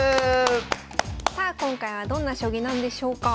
さあ今回はどんな将棋なんでしょうか。